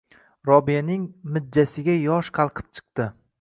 Robiyaning mijjasiga yosh qalqib chiqdi.